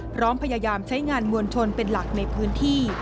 พร้อมพยายามใช้งานมวลชนเป็นหลักในพื้นที่